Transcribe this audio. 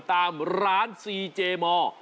ตามร้านซีเจมอร์